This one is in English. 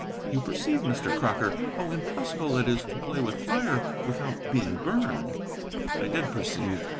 You perceive, Mr. Crocker, how impossible it is to play with fire without being burned." I did perceive.